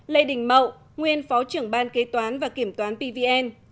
lê đình mậu nguyên phó trưởng ban kế toán và kiểm toán pvn